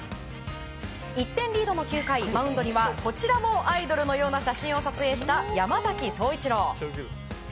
１点リードの９回、マウンドにはこちらもアイドルのような写真を撮影した山崎颯一郎。